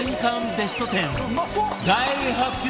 ベスト１０大発表